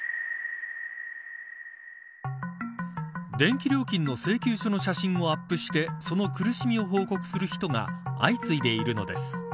電気料金の請求書の写真をアップしてその苦しみを報告する人が相次いでいるのです。